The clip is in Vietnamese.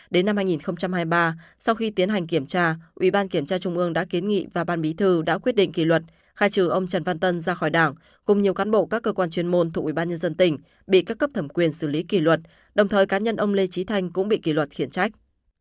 đến năm hai nghìn hai mươi ba sau khi tiến hành kiểm tra ủy ban kiểm tra trung ương đã kiến nghị và ban bí thư đã quyết định kỷ luật khai trừ ông trần văn tân ra khỏi đảng cùng nhiều cán bộ các cơ quan chuyên môn thuộc ủy ban nhân dân tỉnh bị các cấp thẩm quyền xử lý kỷ luật đồng thời cá nhân ông lê trí thanh cũng bị kỷ luật khiển trách